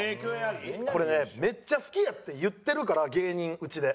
これねめっちゃ好きやって言ってるから芸人内で。